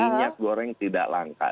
minyak goreng tidak langka